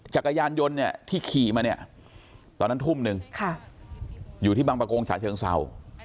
จักรยานยนต์เนี่ยที่ขี่มาเนี่ยตอนนั้นทุ่มนึงอยู่ที่บางประกงฉาเชิงเศร้า